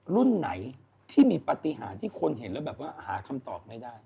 รุ่นไหนที่มีปฏิหารที่คนเห็นแล้วแบบว่าหาคำตอบไม่ได้